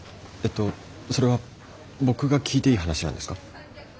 ええっとそれは僕が聞いていい話なんですか！？